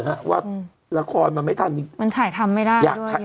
เพราะว่าละครมันไม่ทันมันถ่ายทำไม่ได้ด้วยเยอะ